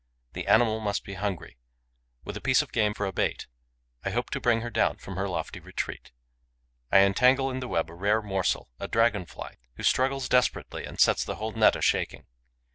The animal must be hungry. With a piece of game for a bait, I hope to bring her down from her lofty retreat. I entangle in the web a rare morsel, a Dragon fly, who struggles desperately and sets the whole net a shaking.